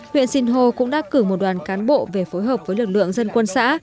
huyện sinh hồ cũng đã cử một đoàn cán bộ về phối hợp với lực lượng dân quân xã